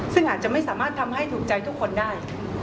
ซึ่งอาจจะไม่สามารถทำให้ถูกใจทุกคนได้